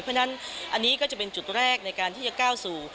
เพราะฉะนั้นอันนี้ก็จะเป็นจุดแรกในการที่จะก้าวสู่